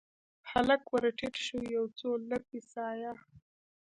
هلک ورټیټ شو یو، څو لپې سایه